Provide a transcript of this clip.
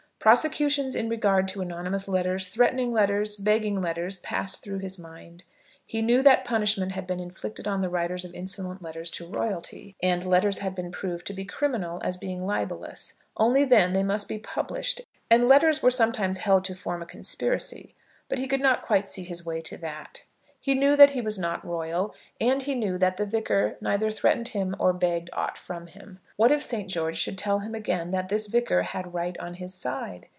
Prosecutions in regard to anonymous letters, threatening letters, begging letters, passed through his mind. He knew that punishment had been inflicted on the writers of insolent letters to royalty. And letters had been proved to be criminal as being libellous, only then they must be published; and letters were sometimes held to form a conspiracy; but he could not quite see his way to that. He knew that he was not royal; and he knew that the Vicar neither threatened him or begged aught from him. What if St. George should tell him again that this Vicar had right on his side!